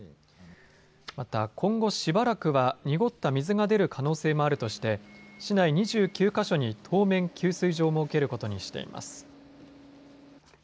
また今後しばらくは濁った水が出る可能性もあるとして市内２９か所に当面、給水所を設けることにしています。